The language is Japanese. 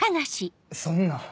そんな。